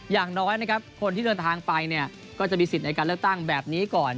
อย่างน้อยนะครับคนที่เดินทางไปเนี่ยก็จะมีสิทธิ์ในการเลือกตั้งแบบนี้ก่อน